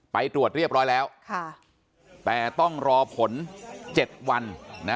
ไปตรวจเรียบร้อยแล้วแต่ต้องรอผล๗วัน